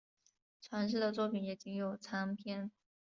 传世的作品也仅有残篇。